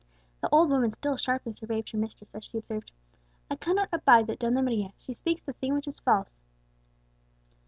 The old woman still sharply surveyed her mistress as she observed, "I cannot abide that Donna Maria; she speaks the thing which is false."